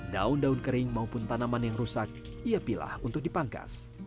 daun daun kering maupun tanaman yang rusak ia pilah untuk dipangkas